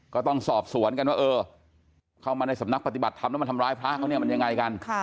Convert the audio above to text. ก็ต้องสอบสวนกันว่าเออเข้ามาในสำนักปฏิบัติธรรมแล้วมาทำร้ายพระเขาเนี่ยมันยังไงกัน